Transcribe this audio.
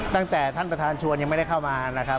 ตั้งแต่ท่านประธานชวนยังไม่ได้เข้ามานะครับ